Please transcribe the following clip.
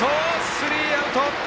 スリーアウト。